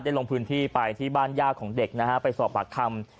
ลงพื้นที่ไปที่บ้านย่าของเด็กนะฮะไปสอบปากคำ